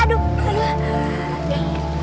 aduh kaki aku